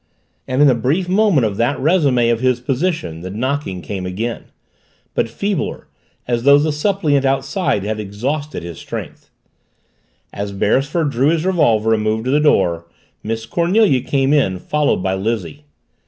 And in the brief moment of that resumee of his position the knocking came again. But feebler, as though the suppliant outside had exhausted his strength. As Beresford drew his revolver and moved to the door, Miss Cornelia came in, followed by Lizzie.